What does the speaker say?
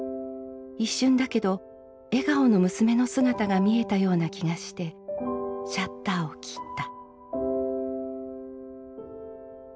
一瞬だけど笑顔の娘の姿が見えたような気がしてシャッターを切った」。